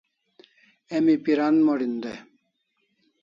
Emi pira mod'in dai